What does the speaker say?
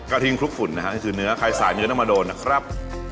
กระทิงครุกฝุ่นนะครับนี่คือเนื้อไข่สายเยอะน้ำมะโดนนะครับ